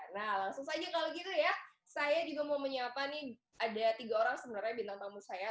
nah langsung saja kalau gitu ya saya juga mau menyiapkan nih ada tiga orang sebenarnya bintang tamu saya